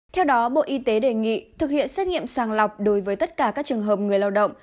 theo đó bộ y tế đề nghị thực hiện xét nghiệm sàng lọc đối với tất cả các trường hợp người lao động